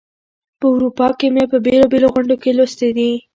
په اروپا کې مي په بېلو بېلو غونډو کې لوستې دي.